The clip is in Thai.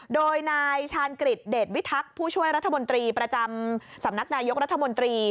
โดยนายชาญกฤษเดชวิทักษ์ผู้ช่วยรัฐมนตรีประจำสำนักนายกรัฐมนตรี